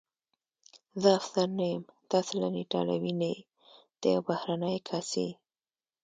زه افسر نه یم، ته اصلاً ایټالوی نه یې، ته یو بهرنی کس یې.